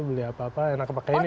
beli apa apa enak pakai ini